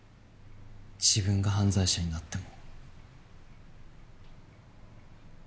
自分が犯罪者になっても。